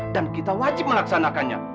dan kita wajib melaksanakannya